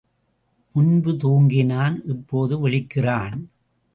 முன்பு தூங்கினான் இப்போது விழிக்கிறான்?